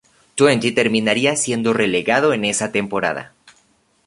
Twente terminaría siendo relegado en esa temporada.